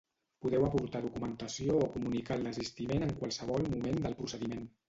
Podeu aportar documentació o comunicar el desistiment en qualsevol moment del procediment.